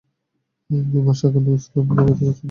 দুই মাস আগে নূর ইসলাম দুবাই থেকে ছুটি নিয়ে দেশে ফেরেন।